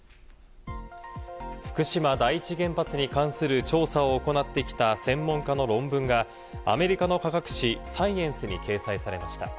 福島第一原発に関する調査を行ってきた専門家の論文がアメリカの科学誌『サイエンス』に掲載されました。